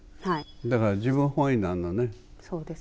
だから自分本位なのね